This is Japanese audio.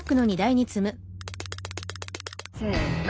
せの。